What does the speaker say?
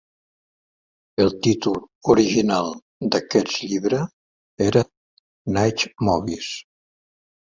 El títol original d'aquest llibre era "Night Moves".